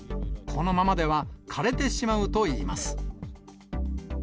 このままでは枯れてしまうといいます。